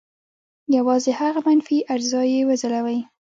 یوازې هغه منفي اجزا یې وځلوي.